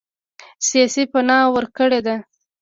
سیاسي پناه ورکړې ده.